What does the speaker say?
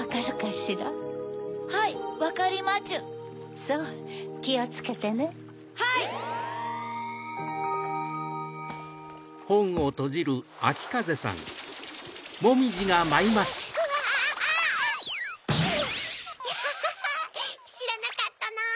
しらなかったな！